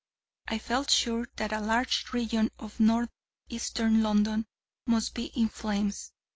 I felt sure that a large region of north eastern London must be in flames.